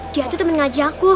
dia tuh temen ngaji aku